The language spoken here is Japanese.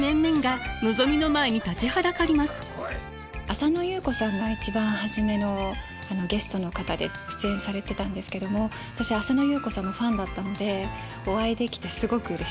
浅野ゆう子さんが一番初めのゲストの方で出演されてたんですけども私浅野ゆう子さんのファンだったのでお会いできてすごくうれしかったです。